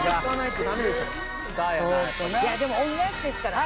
でも恩返しですから。